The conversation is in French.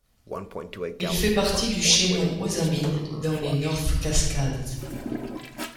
Il fait partie du chaînon Hozameen, dans les North Cascades.